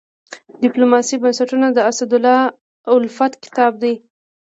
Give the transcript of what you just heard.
د ډيپلوماسي بنسټونه د اسدالله الفت کتاب دی.